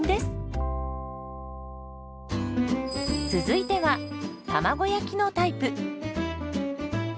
続いては卵焼きのタイプ。